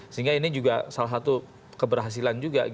sehingga ini juga salah satu keberhasilan juga